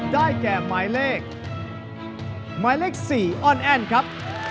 ได้แก่หมายเลขหมายเลข๔อ้อนแอ้นครับ